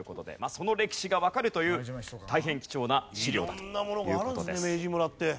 その歴史がわかるという大変貴重な資料だという事です。